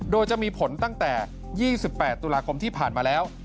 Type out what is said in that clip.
โดยจะมีผลตั้งแต่๒๘ตุลาคมที่ผ่านมาแล้ว